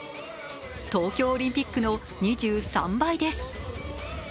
東京オリンピックの２３倍です。